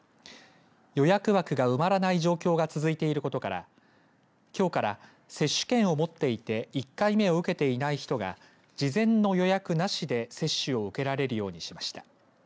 予約枠がうまらない状況が続いていることからきょうから接種券を持っていて１回目を受けていない人が事前の予約なしで、接種を受けられるようにしました。